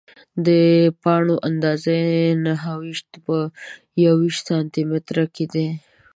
د پاڼو اندازه یې نهه ویشت په یوویشت سانتي متره کې ده.